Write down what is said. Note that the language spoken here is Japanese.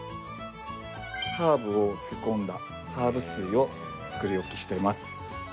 ハーブを漬け込んだハーブ水を作り置きしています。